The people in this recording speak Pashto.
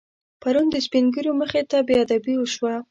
پرون د سپینږیرو مخې ته بېادبي وشوه.